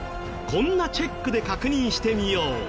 こんなチェックで確認してみよう。